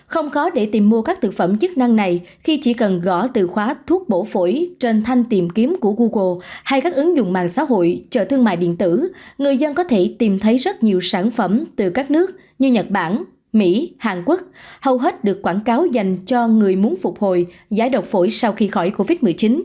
không khó để tìm mua các thực phẩm chức năng này khi chỉ cần gõ từ khóa thuốc bổ phổi trên thanh tìm kiếm của google hay các ứng dụng mạng xã hội trợ thương mại điện tử người dân có thể tìm thấy rất nhiều sản phẩm từ các nước như nhật bản mỹ hàn quốc hầu hết được quảng cáo dành cho người muốn phục hồi giải độc phổi sau khi khỏi covid một mươi chín